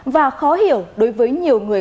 và khó hiểu đối với nhiều người